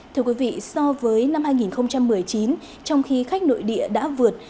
thưa quý vị so với năm hai nghìn một mươi chín trong khi khách nội địa đã vượt